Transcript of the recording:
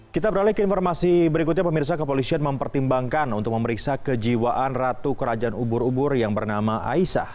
kita beralih ke informasi berikutnya pemirsa kepolisian mempertimbangkan untuk memeriksa kejiwaan ratu kerajaan ubur ubur yang bernama aisah